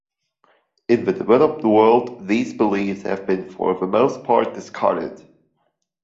In the developed world these beliefs have been, for the most part, discarded.